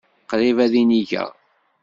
Qrib ad inigeɣ.